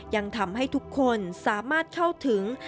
ยังทำให้ทุกคนสามารถเข้าถึง